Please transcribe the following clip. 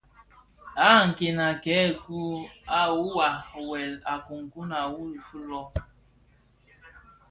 À kenken à këë kun à wuwà wëll, à kunkun à wu filo.